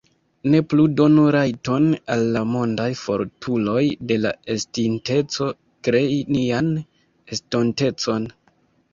Ne plu donu rajton al la mondaj fortuloj de la estinteco krei nian estontecon